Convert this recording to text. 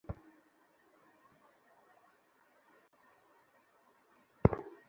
নদীর তীরে বালুর বস্তা ফেলে বাঁধ দিয়েও ভাঙন রোধ করা যাচ্ছে না।